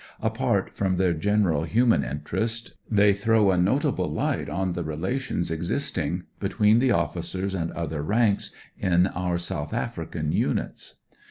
Apart from 211 212 THE SOUTH AFRICAN their general human interest, they throw a notable light on the relations existing between the officers and other ranks in our South African units.